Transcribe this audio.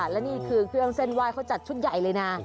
และนี่คือเครื่องเส้นไหว้เขาจัดชุดใหญ่เลยนะ